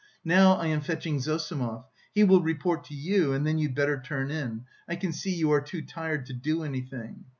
Now I am fetching Zossimov, he will report to you and then you'd better turn in; I can see you are too tired to do anything...."